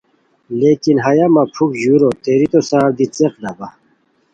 لیکن ہیہ مہ پھوک ژورو تیریتو سار دی څیق ڈبہ۔